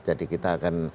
jadi kita akan